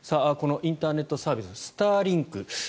このインターネットサービスのスターリンク。